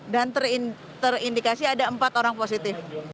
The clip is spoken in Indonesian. dan terindikasi ada empat orang positif